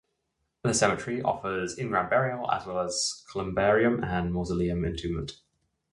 The cemetery offers in-ground burial, as well as columbarium and mausoleum entombment.